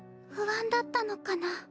不安だったのかな。